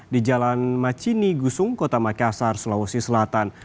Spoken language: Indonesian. di jalan macini gusung kota makassar sulawesi selatan